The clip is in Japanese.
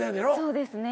そうですね。